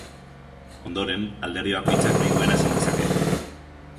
Ondoren, alderdi bakoitzak nahi duena esan dezake.